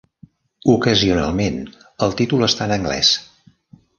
Ocasionalment, el títol està en anglès.